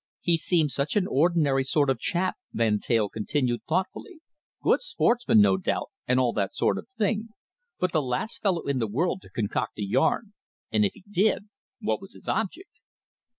"He seems such an ordinary sort of chap," Van Teyl continued thoughtfully. "Good sportsman, no doubt, and all that sort of thing, but the last fellow in the world to concoct a yarn, and if he did, what was his object?"